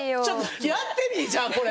やってみいじゃあこれ。